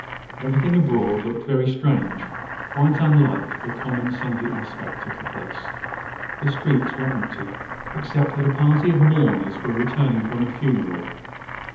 Everything abroad looked very strange quite unlike the common Sunday aspect of the place. The streets were empty, except that a party of mourners were returning from a funeral.